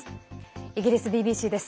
イギリスＢＢＣです。